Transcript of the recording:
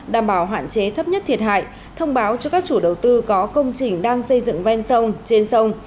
đảm bảo hạn chế thấp nhất thiệt hại thông báo cho các chủ đầu tư có công trình đang xây dựng ven sông trên sông